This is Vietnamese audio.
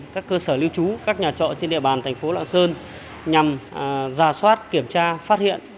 các cơ sở lưu trú các nhà trọ trên địa bàn thành phố lạng sơn nhằm giả soát kiểm tra phát hiện